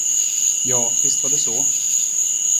Ja, visst var det så.